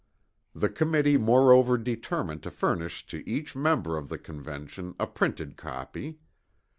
The committee moreover determined to furnish to each member of the Convention a printed copy.